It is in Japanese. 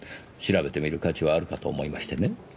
調べてみる価値はあるかと思いましてね。